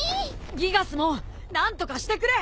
ギガスモン何とかしてくれ！